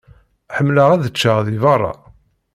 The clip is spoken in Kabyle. Ḥemmleɣ ad ččeɣ di berra.